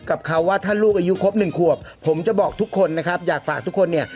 อายุครบหนึ่งขวบผมจะบอกทุกคนนะครับอยากฝากทุกคนเนี่ย